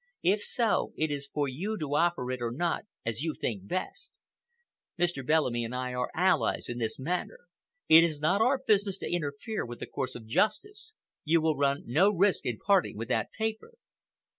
If so, it is for you to offer it or not, as you think best. Mr. Bellamy and I are allies in this matter. It is not our business to interfere with the course of justice. You will run no risk in parting with that paper.